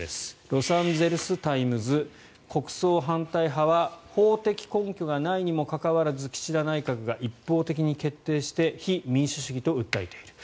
ロサンゼルス・タイムズ国葬反対派は法的根拠がないにもかかわらず岸田内閣が一方的に決定して非民主主義と訴えている。